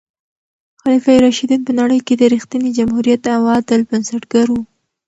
خلفای راشدین په نړۍ کې د رښتیني جمهوریت او عدل بنسټګر وو.